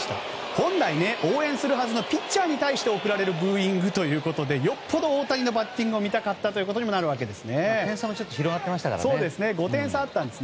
本来、応援するはずのピッチャーに対して送られるブーイングということでよほど大谷のバッティングを見たかったということになります。